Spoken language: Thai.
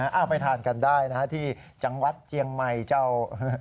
เอาไปทานกันได้นะฮะที่จังหวัดเจียงใหม่เจ้า